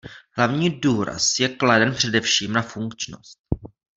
Hlavní důraz je kladen především na funkčnost.